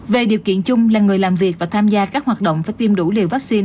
về điều kiện chung là người làm việc và tham gia các hoạt động phải tiêm đủ liều vaccine